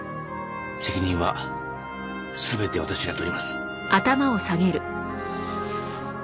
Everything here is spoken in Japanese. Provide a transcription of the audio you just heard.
責任は全て私が取ります。